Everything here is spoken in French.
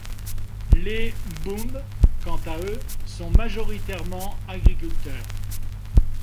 Les Mboum quant à eux sont majoritairement agriculteurs.